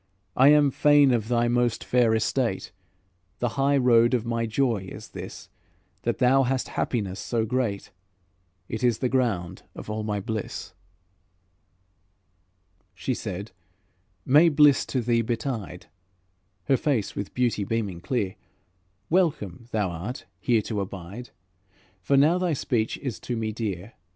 I am fain of thy most fair estate; The high road of my joy is this, That thou hast happiness so great; It is the ground of all my bliss." She said, "May bliss to thee betide," Her face with beauty beaming clear, "Welcome thou art here to abide, For now thy speech is to me dear.